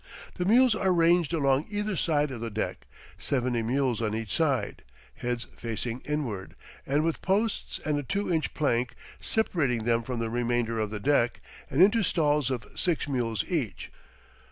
The mules are ranged along either side of the deck, seventy mules on each side, heads facing inward, and with posts and a two inch plank separating them from the remainder of the deck, and into stalls of six mules each.